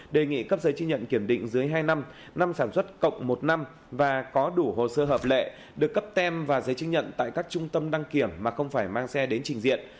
đề nghị cấp giấy chứng nhận kiểm định dưới hai năm năm sản xuất cộng một năm và có đủ hồ sơ hợp lệ được cấp tem và giấy chứng nhận tại các trung tâm đăng kiểm mà không phải mang xe đến trình diện